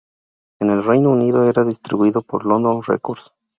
En el Reino Unido era distribuido por London Records.